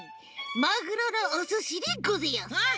マグロのおすしでごぜえやす。